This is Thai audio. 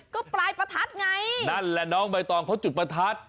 ก็ปลายประทัดไงนั่นแหละน้องใบตองเขาจุดประทัด